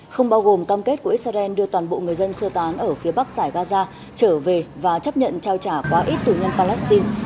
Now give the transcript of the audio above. không bao gồm cam kết của israel đưa toàn bộ người dân sơ tán ở phía bắc giải gaza trở về và chấp nhận trao trả quá ít tù nhân palestine